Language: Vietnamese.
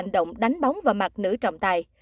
đánh bóng và mặt nữ trọng tài